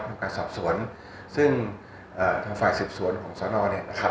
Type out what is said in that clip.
ทำการสอบสวนซึ่งฝ่าฝ่ายศิลป์สวนของสนเนี่ยนะครับ